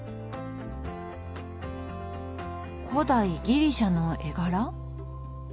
古代ギリシャの絵柄？